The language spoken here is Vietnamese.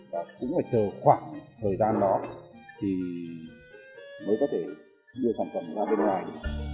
và cũng phải chờ khoảng thời gian đó thì mới có thể đưa sản phẩm ra bên ngoài